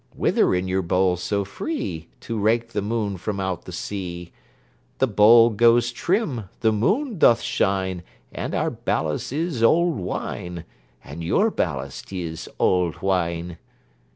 Whither in your bowl so free? To rake the moon from out the sea. The bowl goes trim. The moon doth shine. And our ballast is old wine; And your ballast is old wine.